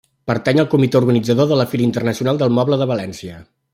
Pertany al comitè organitzador de la Fira Internacional del Moble de València.